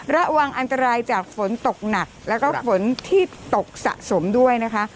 ระวังอันตรายจากฝนตกหนักแล้วก็ฝนที่ตกสะสมด้วยนะคะ